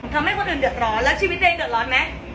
ทำให้คนอื่นเดือดร้อนแล้วชีวิตตัวเองเดือดร้อนไหม